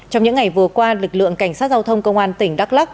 trong những ngày vừa qua lực lượng cảnh sát giao thông công an tỉnh đắk lắc